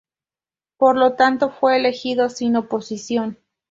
Por lo tanto, fue elegido sin oposición.